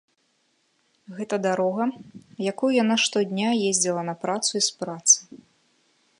Гэта дарога, якой яна штодня ездзіла на працу і з працы.